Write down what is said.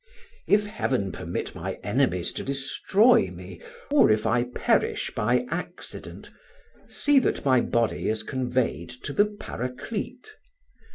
If Heaven permit my enemies to destroy me, or if I perish by accident, see that my body is conveyed to the Paraclete.